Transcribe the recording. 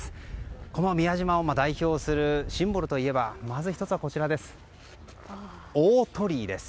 この宮島を代表するシンボルといえば、まずはこちら大鳥居です。